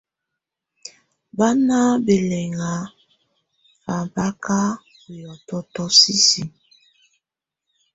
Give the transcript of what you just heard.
Bá ná bɛlɛŋá fábáka ú hiɔtɔtɔ sisiǝ.